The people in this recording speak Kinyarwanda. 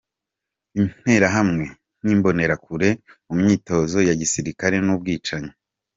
Interahamwe n’imbonerakure mu myitozo ya gisilikare n’ubwicanyi